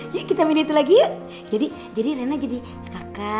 jus jadi bini deh